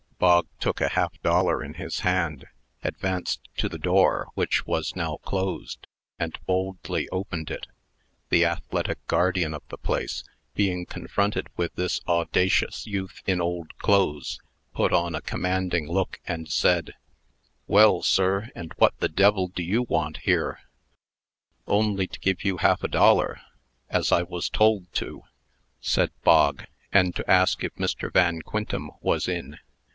Bog took a half dollar in his hand, advanced to the door, which was now closed, and boldly opened it. The athletic guardian of the place, being confronted with this audacious youth in old clothes, put on a commanding look, and said: "Well, sir, and what the d l do you want here?" "Only to give you half a dollar, as I was told to," said Bog, "and to ask if Mr. Van Quintem was in.